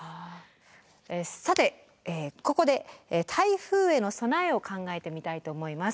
さてここで台風への備えを考えてみたいと思います。